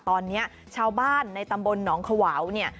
ตอนนี้ชาวบ้านในตำบลหนองขวาวเนี่ย